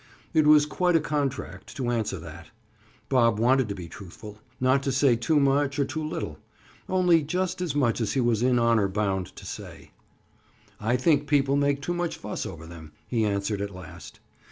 It was quite a contract to answer that. Bob wanted to be truthful; not to say too much or too little; only just as much as he was in honor bound to say. "I think people make too much fuss over them," he answered at last.